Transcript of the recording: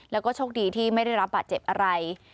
แล้วก็โชคดีที่ไม่ได้รับบาดเจ็บอะไร